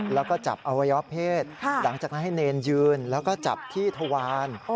แล้วก็จับอวัยวะเพศหลังจากนั้นให้เนรยืนแล้วก็จับที่ทวาร